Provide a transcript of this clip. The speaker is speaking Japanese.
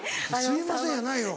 すいませんやないよ。